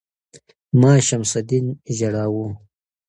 ـ ما شمس الدين ژاړو